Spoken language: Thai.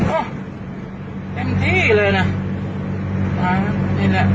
โอ้ยเต็มที่เลยนะอ่านี่แหละ